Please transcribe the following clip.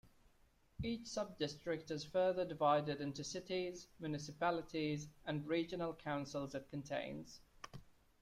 Each sub-district is further divided into Cities, municipalities, and Regional councils it contains.